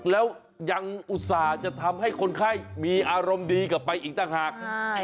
แล้วยังอุตส่าห์จะทำให้คนไข้มีอารมณ์ดีกลับไปอีกต่างหาก